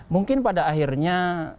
mungkin pada akhirnya